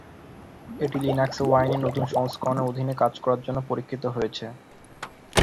এটি লিনাক্সে ওয়াইনের নতুন সংস্করণের অধীনে কাজ করার জন্য পরীক্ষিত হয়েছে।